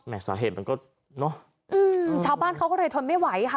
สาเหตุมันก็เนอะอืมชาวบ้านเขาก็เลยทนไม่ไหวค่ะ